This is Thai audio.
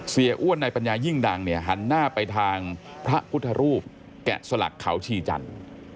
อ้วนในปัญญายิ่งดังเนี่ยหันหน้าไปทางพระพุทธรูปแกะสลักเขาชีจันทร์